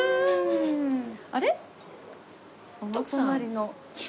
あれ？